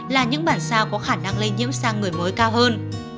là những bản sao có khả năng lây nhiễm sang người mới cao hơn